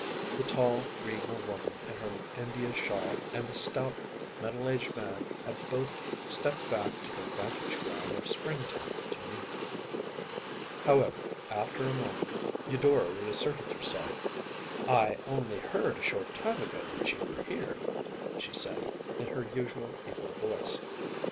The tall, regal woman in her India shawl and the stout, middle aged man had both stepped back to their vantage ground of springtime to meet. However, after a moment, Eudora reasserted herself. “I only heard a short time ago that you were here,‚ÄĚ she said, in her usual even voice.